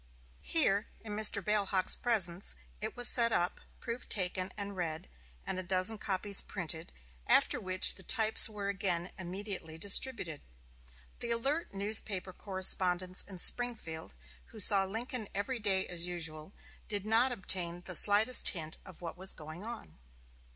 Here, in Mr. Bailhache's presence, it was set up, proof taken and read, and a dozen copies printed; after which the types were again immediately distributed. The alert newspaper correspondents in Springfield, who saw Mr. Lincoln every day as usual, did not obtain the slightest hint of what was going on.